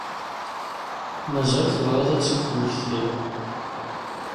Mazal tebɣiḍ ad tt-id-temmektiḍ?